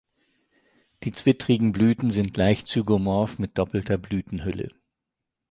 Die zwittrigen Blüten sind leicht zygomorph mit doppelter Blütenhülle.